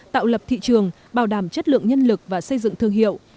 tạo lập thị trường bảo đảm chất lượng nhân lực và xây dựng thương hiệu